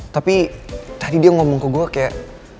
tapi tadi dia ngomong ke gue kayak